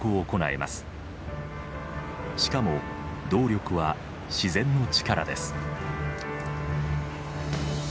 しかも動力は自然の力です。